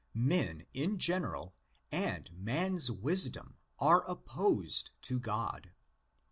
Men in general and man's wisdom are opposed to God (1.